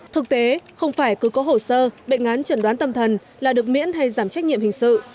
thực tế không phải cứ có hồ sơ bệnh án chẩn đoán tâm thần là được miễn hay giảm trách nhiệm hình sự